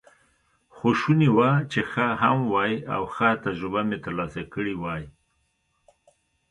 خو شوني وه چې ښه هم وای، او ښه تجربه مې ترلاسه کړې وای.